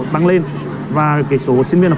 tăng lên và số sinh viên